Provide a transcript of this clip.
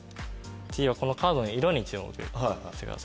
次はこのカードの色に注目してください。